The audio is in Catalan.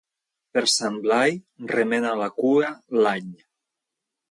Per Sant Blai remena la cua l'all.